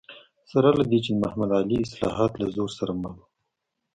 سره له دې چې د محمد علي اصلاحات له زور سره مل و.